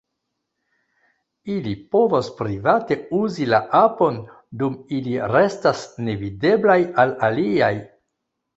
Ili povos private uzi la apon dum ili restas nevideblaj al aliaj.